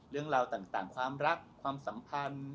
เรื่องราวต่างความรักความสัมพันธ์